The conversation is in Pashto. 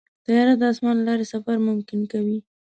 طیاره د اسمان له لارې سفر ممکن کوي.